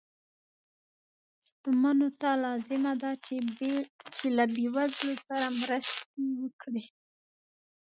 شتمنو ته لازمه ده چې له بې وزلو سره مرستې وکړي.